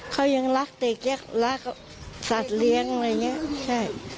เขายังรักเด็กรักสัตว์เลี้ยงอะไรอย่างนี้ใช่